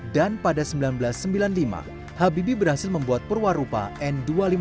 dan pada seribu sembilan ratus sembilan puluh lima habibie berhasil membuat perwarupa n dua ratus lima puluh